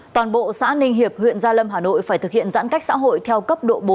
toàn bộ xã ninh hiệp huyện gia lâm hà nội phải thực hiện giãn cách xã hội theo cấp độ bốn